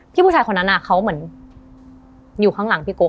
ผู้ชายคนนั้นเขาเหมือนอยู่ข้างหลังพี่โก